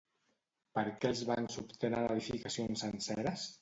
Per què els bancs obtenen edificacions senceres?